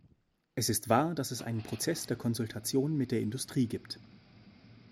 Es ist wahr, dass es einen Prozess der Konsultation mit der Industrie gibt.